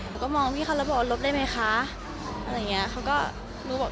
หนูก็มองพี่เขาแล้วบอกว่าลบได้ไหมคะอะไรอย่างนี้